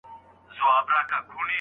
ډاکټر مجاور احمد زیار پوهه خپروله.